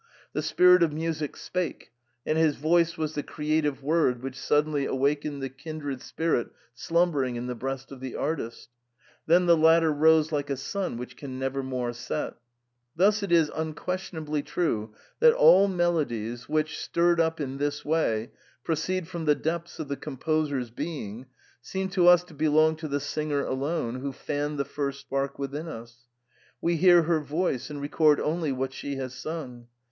The spirit of music spake, and his voice was the creative word which suddenly awakened the kindred spirit slumbering in the breast of the artist ; then the latter rose like a sun which can nevermore set. Thus it is unquestionably true that all melodies which, stirred up in this way, proceed from the depths of the composer's being, seem to us to belong to the singer alone who fanned the first spark within us. We hear her voice and record only what she has sung.